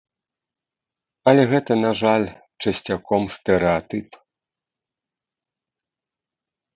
Але гэта, на жаль, часцяком стэрэатып.